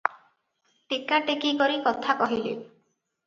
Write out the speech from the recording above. ଟେକା ଟେକି କରି କଥା କହିଲେ ।